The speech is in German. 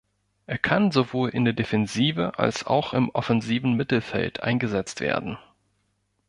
Er kann sowohl in der Defensive als auch im offensiven Mittelfeld eingesetzt werden.